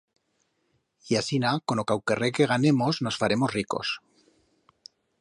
Y asina, con o cauquerré que ganemos, nos faremos ricos.